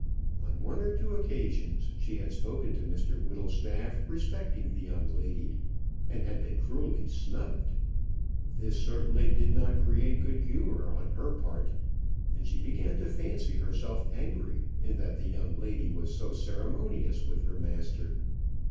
On one or two occasions she had spoken to Mr Whittlestaff respecting the young lady and had been cruelly snubbed. This certainly did not create good humour on her part, and she began to fancy herself angry in that the young lady was so ceremonious with her master.